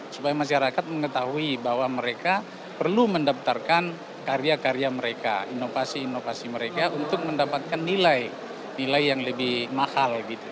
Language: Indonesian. supaya masyarakat mengetahui bahwa mereka perlu mendaftarkan karya karya mereka inovasi inovasi mereka untuk mendapatkan nilai nilai yang lebih mahal gitu